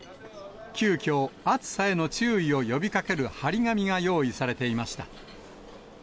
急きょ、熱さへの注意を呼びかける貼り紙が用意されていました。